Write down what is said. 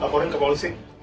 laporan ke polisi